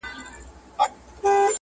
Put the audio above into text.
له دغي پیښې بیخې په کمه اندازه